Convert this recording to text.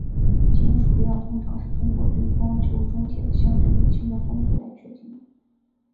金属量通常是通过对光球中铁的相对于氢的丰度来决定。